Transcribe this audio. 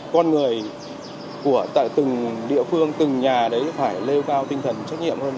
con người của từng địa phương từng nhà đấy phải lêu cao tinh thần trách nhiệm hơn